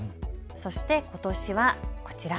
そして、ことしはこちら。